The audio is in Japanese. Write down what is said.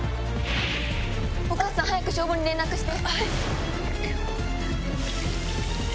お母さん早く消防に連絡して。